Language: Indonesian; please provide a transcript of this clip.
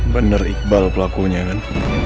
bener iqbal pelakunya kan